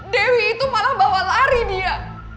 dewi itu malah bawa lari dia